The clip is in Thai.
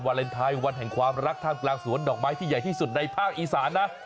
เลนไทยวันแห่งความรักท่ามกลางสวนดอกไม้ที่ใหญ่ที่สุดในภาคอีสานนะ